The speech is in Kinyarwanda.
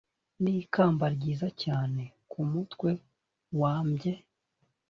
n ikamba ryiza cyane ku mutwe wambye